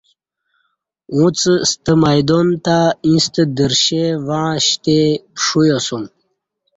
اݩڅ ستہ میدان تہ ایݩستہ درشے وعݩشتی پݜویاسوم